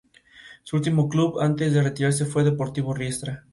Su último club antes de retirarse fue Deportivo Riestra.